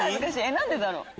何でだろう？